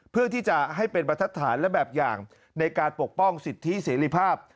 เพื่อที่จะให้เป็นบรรทัดฐานและแบบอย่างในการปกป้องสิทธิเสรีภาพ